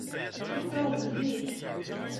Ttakiɣ-d zik.